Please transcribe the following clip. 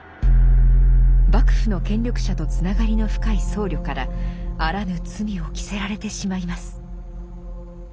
幕府の権力者とつながりの深い僧侶からあらぬ罪を着せられてしまいます。